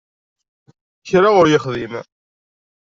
Kra ur yexdim.